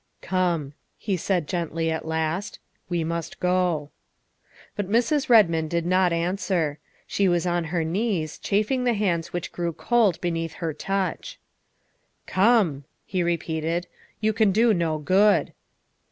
" Come," he said gently at last, " we must go." But Mrs. Redmond did not answer. She was on her THE SECRETARY OF STATE 303 knees, chafing the hands which grew cold beneath her touch. " Come," he repeated, " you can do no good."